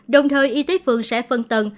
đồng thời y tế phường sẽ phân tầng